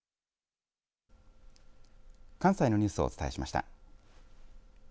関西のニュースをお伝えしました。